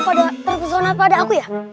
pada terpesona pada aku ya